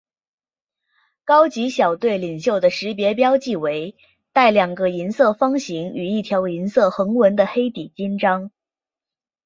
高级小队领袖的识别标记为带两个银色方形与一条银色横纹的黑底襟章。